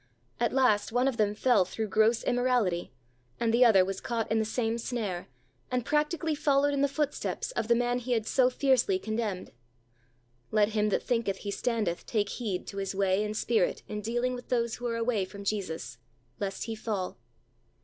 At last one of them fell through gross immorality and the other was caught in the same snare, and practically followed in the footsteps of the man he had so fiercely con demned. "Let him that thinketh he standeth take heed" to his way and spirit in dealing with those who are away from Jesus, "lest he fall."